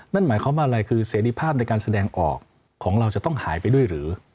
นั่นหมายความว่าอะไรคือเสรีภาพในการแสดงออกของเราจะต้องหายไปด้วยหรือ